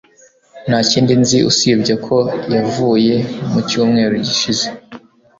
Nta kindi nzi usibye ko yavuye mu cyumweru gishize